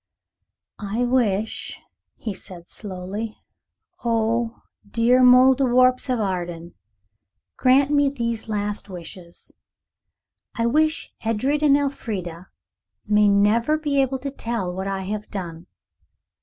"I wish," he said slowly, "oh, dear Mouldiwarps of Arden, grant me these last wishes. I wish Edred and Elfrida may never be able to tell what I have done.